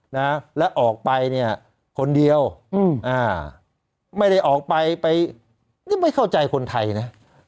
นะแล้วออกไปเนี่ยคนเดียวอืมอ่าไม่ได้ออกไปไปนี่ไม่เข้าใจคนไทยนะ